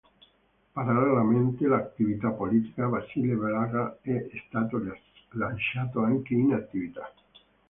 Parallelamente all'attività politica, Vasile Blaga è stato lanciato anche in attività.